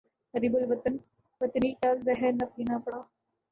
غریب الوطنی کا زہر نہ پینا پڑے